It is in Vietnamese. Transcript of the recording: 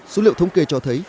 số liệu thống kê cho thấy